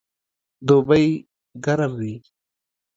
دوبئ ګرم وي